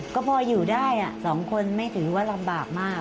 ก็พออยู่ได้๒คนไม่ถือว่าลำบากมาก